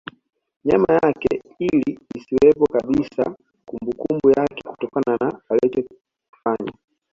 Nyama yake ili isiwepo kabisa kumbukumbu yake kutokana na alichikofanya